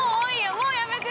もうやめて！